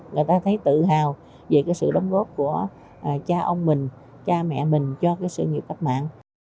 người ta thấy tự hào về sự đóng góp của cha ông mình cha mẹ mình cho cái sự nghiệp cách mạng